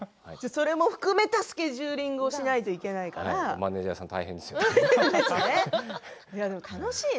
それも含めたスケジューリングをしなければマネージャーさん大変ですよ。